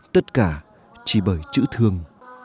tất cả chỉ bởi chữ thương